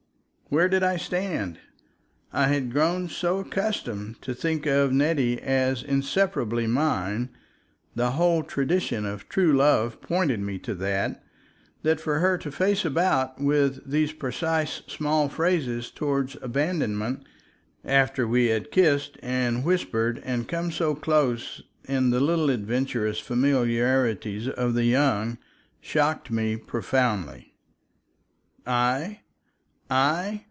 Where did I stand? I had grown so accustomed to think of Nettie as inseparably mine—the whole tradition of "true love" pointed me to that—that for her to face about with these precise small phrases toward abandonment, after we had kissed and whispered and come so close in the little adventurous familiarities of the young, shocked me profoundly. I! I!